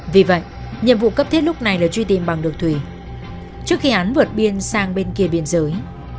vì vậy nhiệm vụ cấp thiết lúc này là truy tìm bằng đường thủy trước khi án vượt biên sang bên kia biên giới